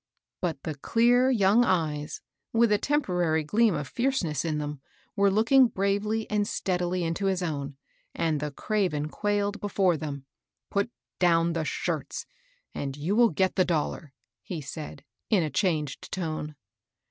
But the clear, young eyes, with a temporary gleam of fierceness in them, were looking bravely and steadily into his own, and the craven quailed before them. " Put down the shirts, and you will get the dol lar," he said, in a changed tone.